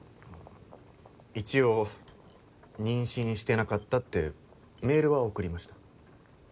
一応妊娠してなかったってメールは送りました。